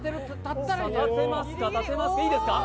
いいですか？